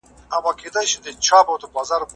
د شیباني خان مړی په یوه ګړۍ کې وخوړل شو.